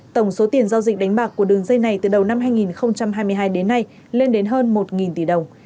tổng số tiền giao dịch đánh bạc của đường dây này từ đầu năm hai nghìn hai mươi hai đến nay lên đến hơn một tỷ đồng